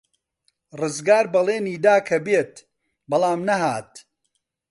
ڕزگار بەڵێنی دا کە بێت، بەڵام نەهات.